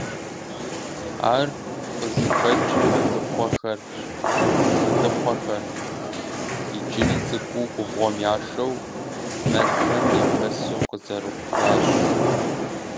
Ар къызыхэкӀыр мэлыхъуэхьэр иджыри цӀыкӀуу губгъуэм яшэу, мэлхэм яхэсу къызэрыхъуращ.